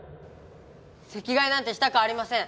席替えなんてしたくありません！